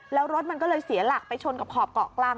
แล้วรถมันก็เลยเสียหลักไปชนกับขอบเกาะกลาง